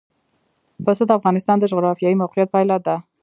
پسه د افغانستان د جغرافیایي موقیعت پایله ده.